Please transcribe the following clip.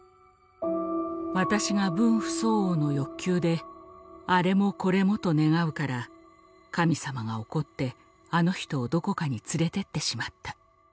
私が分不相応の欲求であれもこれもと願うから神様が怒ってあの人をどこかに連れてってしまった。